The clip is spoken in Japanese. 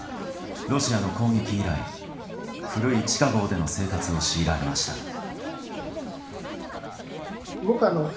ロシアの攻撃以来古い地下壕での生活を強いられました。